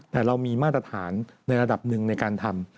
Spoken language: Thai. แต่เรามีมาตรฐานในระดับหนึ่งในการทำ